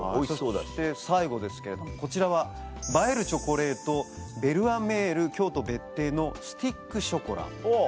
そして最後ですけれどもこちらは映えるチョコレートベルアメール京都別邸のスティックショコラ。